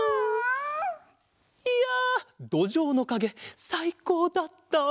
いやどじょうのかげさいこうだった！